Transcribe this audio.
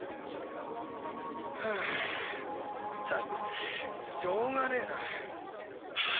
はぁったくしょうがねぇな。